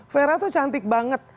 vera itu cantik banget